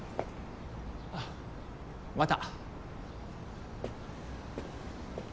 あっまた。